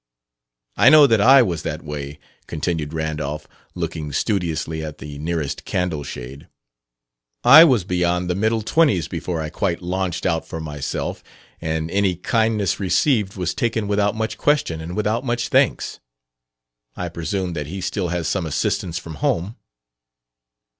"I know that I was that way," continued Randolph, looking studiously at the nearest candle shade. "I was beyond the middle twenties before I quite launched out for myself, and any kindness received was taken without much question and without much thanks. I presume that he still has some assistance from home...."